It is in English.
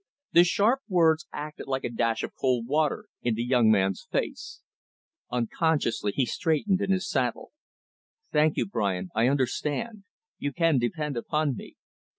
The sharp words acted like a dash of cold water in the young man's face. Unconsciously, he straightened in his saddle. "Thank you, Brian. I understand. You can depend upon me."